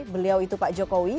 beliau itu pak jokowi